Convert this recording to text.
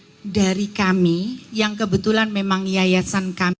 berapa harapan dari kami yang kebetulan memang yayasan kami